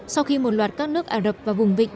sau khi một loạt các nước ả rập và vùng vịnh